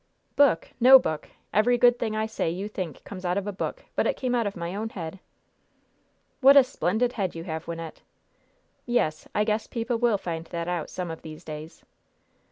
"'Book?' No book! Every good thing I say you think comes out of a book; but it came out of my own head." "What a splendid head you have, Wynnette!" "Yes. I guess people will find that out some of these days."